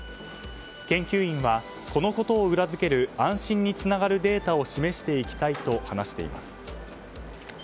研究員はこのことを裏付ける安心につながるデータを示していきたいと話しています。